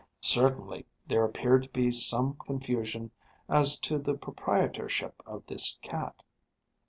Certainly there appeared to be some confusion as to the proprietorship of this cat.